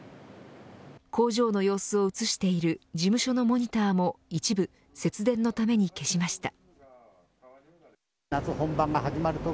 工場の様子を映している事務所のモニターも一部節電のために消しました。